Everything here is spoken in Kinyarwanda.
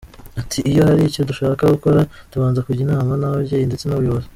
Ati “Iyo hari icyo dushaka gukora tubanza kujya inama n’ababyeyi ndetse n’ubuyobozi.